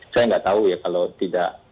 saya gak tau ya kalau tidak